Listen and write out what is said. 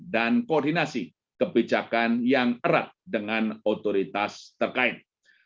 dan koordinasi kebijakan yang erat dengan otoritas terkait